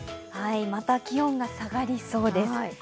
また気温が下がりそうです。